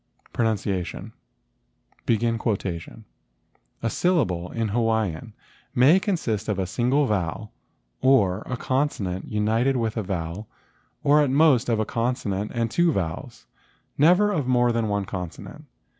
PRONUNCIATION "A syllable in Hawaiian may consist of a single vowel, or a consonant united with a vowel or at most of a consonant and two vowels, never of more than one consonant.